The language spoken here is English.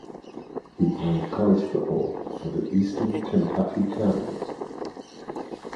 He played college football for the Eastern Kentucky Colonels.